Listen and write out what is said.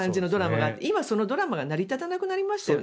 今、そのドラマが成り立たなくなりましたよね。